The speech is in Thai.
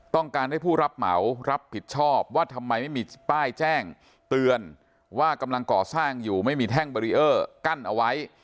ต้องการให้ผู้รับเหมารับผิดชอบว่าทำไมไม่มีป้ายแจ้งเตือนว่ากำลังก่อสร้างอยู่ไม่มีแท่งเบรีเออร์กั้นเอาไว้